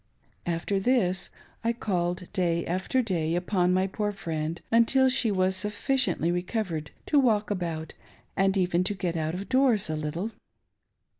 After this, I called day after day^ upon my poor friend, until she was sufficiently recovered to walk about and even to get out of doors a little.